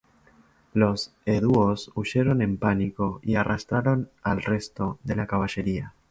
Los eduos huyeron en pánico y arrastraron al resto de la caballería.